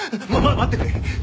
待ってくれ！